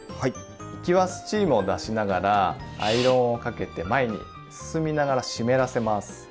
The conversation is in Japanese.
行きはスチームを出しながらアイロンをかけて前に進みながら湿らせます。